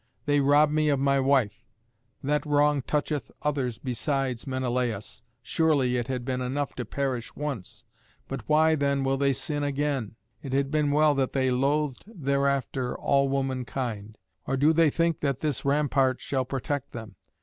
They rob me of my wife. That wrong toucheth others besides Menelaüs. Surely, it had been enough to perish once. But why, then, will they sin again? It had been well had they loathed thereafter all womankind. Or do they think that this rampart shall protect them?